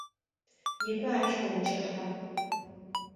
Непэ ащ о укӏэхьагъ.